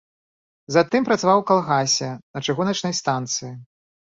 Затым працаваў у калгасе, на чыгуначнай станцыі.